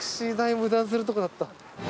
無駄にするとこだった。